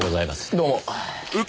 どうも。